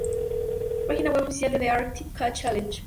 Página web oficial de The Arctic Challenge